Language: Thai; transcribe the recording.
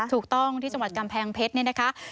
ถูกต้องที่จังหวัดกำแพงเพชรนี่นะคะ